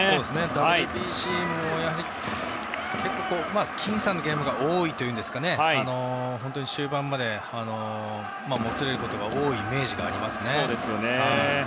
ＷＢＣも結構僅差のゲームが多いというか終盤までもつれることが多いイメージがありますね。